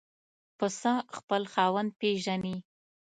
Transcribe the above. پسه خپل خاوند پېژني.